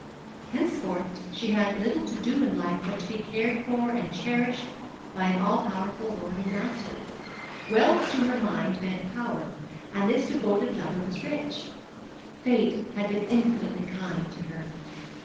Henceforth she had little to do in life but to be cared for and cherished by an all powerful lord and master. Wealth to her mind meant power; and this devoted lover was rich. Fate had been infinitely kind to her.